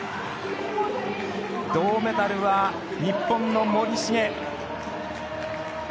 銅メダルは日本の森重。